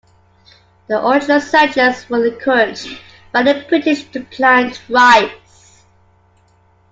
The original settlers were encouraged by the British to plant rice.